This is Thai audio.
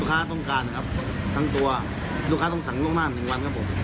ลูกค้าต้องการนะครับทั้งตัวลูกค้าต้องสั่งลงนาน๑วันครับผม